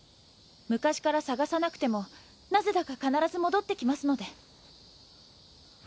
昔から捜さなくてもなぜだか必ず戻ってきますので。